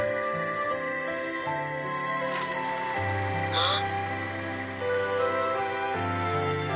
あっ！